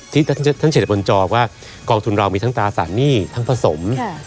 ที่ท่านเฉดบนจอว่ากองทุนเรามีทั้งตราสารหนี้ทั้งผสม